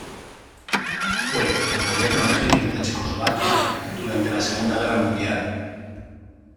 Fue el gobierno legítimo de Checoslovaquia durante la Segunda Guerra Mundial.